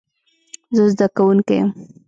زه زده کوونکی یم